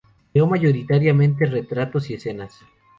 Creó mayoritariamente retratos y escenas.